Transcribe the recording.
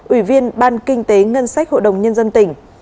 ủy viên ban kinh tế ngân sách hội đồng nhân dân tỉnh